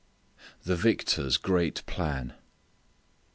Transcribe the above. The Victor's Great Plan.